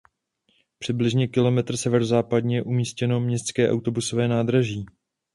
Přibližně kilometr severozápadně je umístěno městské autobusové nádraží.